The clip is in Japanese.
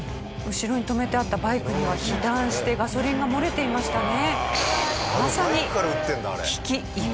後ろに止めてあったバイクには被弾してガソリンが漏れていましたね。